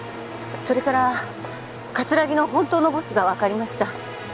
それから葛城の本当のボスがわかりました。